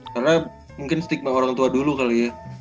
karena mungkin stigma orang tua dulu kali ya